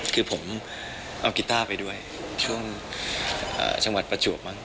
คือผมเอากีต้าไปด้วยช่วงจังหวัดประจวบมั้